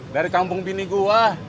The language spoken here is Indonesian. dari kampung bini gua